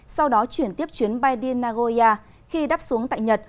sau đó chuyển tiếp chuyến bay đi nagoya khi đáp xuống tại nhật